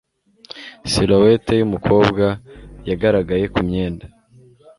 Silhouette yumukobwa yagaragaye kumyenda.